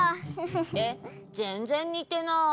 えぜんぜんにてない。